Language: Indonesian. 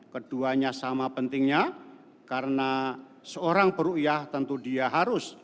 keduanya sama pentingnya karena seorang ruiah tentu dia harus